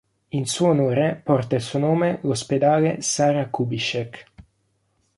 In suo onore porta il suo nome l'Ospedale Sarah Kubitschek.